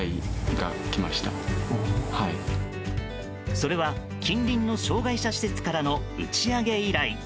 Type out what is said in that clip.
それは近隣の障害者施設からの打ち上げ依頼。